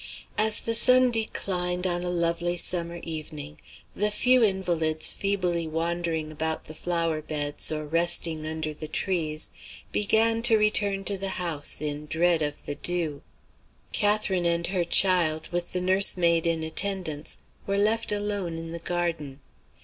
As the sun declined, on a lovely summer evening, the few invalids feebly wandering about the flower beds, or resting under the trees, began to return to the house in dread of the dew. Catherine and her child, with the nursemaid in attendance, were left alone in the garden.